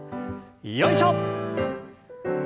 よいしょ！